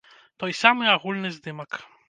Той самы агульны здымак.